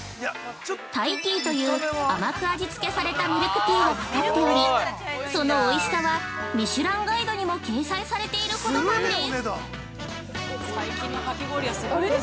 タイティーという甘く味つけされたミルクティーがかかっておりそのおいしさはミシュランガイドにも掲載されているほどなんです。